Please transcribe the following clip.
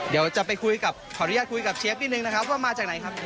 เดี๋ยวจะไปคุยกับขออนุญาตคุยกับเชฟนิดนึงนะครับว่ามาจากไหนครับ